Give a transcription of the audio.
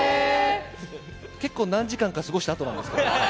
結構何時間か過ごしたあとなんですけども。